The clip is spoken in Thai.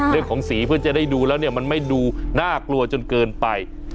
สีเพื่อจะได้ดูแล้วเนี่ยมันไม่ดูน่ากลัวจนเกินไป